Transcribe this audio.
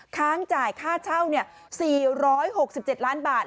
ค้างจ่ายค่าเช่า๔๖๗ล้านบาท